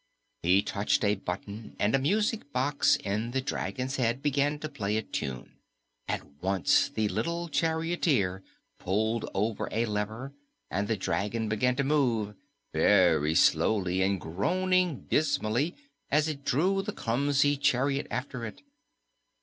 He touched a button and a music box in the dragon's head began to play a tune. At once the little charioteer pulled over a lever, and the dragon began to move, very slowly and groaning dismally as it drew the clumsy chariot after it.